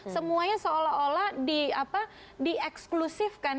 semuanya seolah olah dieksklusifkan